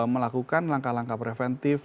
melakukan langkah langkah preventif